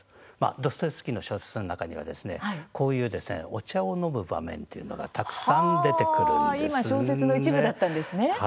ドストエフスキーの小説の中にはこういうお茶を飲む場面というのが、たくさん出てくるんです。